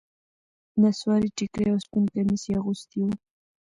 نصواري ټيکری او سپين کميس يې اغوستي وو.